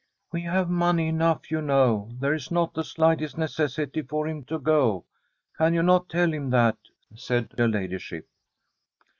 • We have money enough, you know. There is not the slightest necessity for him to go. Can you not tell him that ?' said her ladyship.